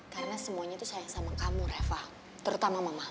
karena semuanya tuh sayang sama kamu reva terutama mama